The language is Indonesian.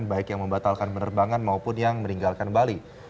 baik yang membatalkan penerbangan maupun yang meninggalkan bali